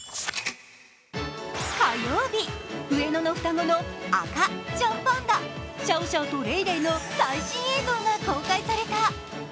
火曜日、上野の双子の赤ちゃんパンダシャオシャオとレイレイの最新映像が公開された。